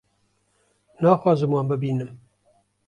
naxwazim wan bibînim